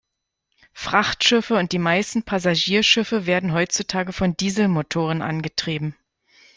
Frachtschiffe und die meisten Passagierschiffe werden heutzutage von Dieselmotoren angetrieben.